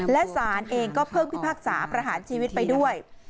และสารเองก็เพิ่งพิพากษาประหารชีวิตไปด้วย